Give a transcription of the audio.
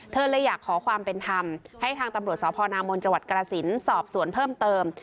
เธอเลยอยากขอความเป็นธรรมให้ทางตำรวจสพนจกรสินทร์สอบส่วนเพิ่มเติม